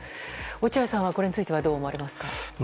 落合さんはこれについてはどう思われますか。